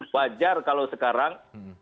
wajar kalau sekarang